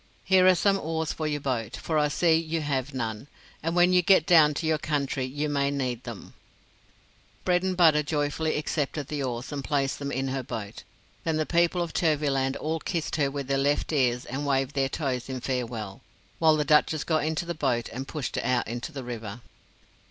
Here are some oars for your boat, for I see you have none, and when you get down to your country you may need them." Bredenbutta joyfully accepted the oars, and placed them in her boat. Then the people of Turvyland all kissed her with their left ears and waved their toes in farewell, while the Duchess got into the boat and pushed it out into the river.